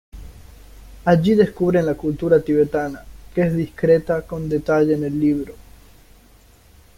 Allí descubren la cultura tibetana, que es descrita con detalle en el libro.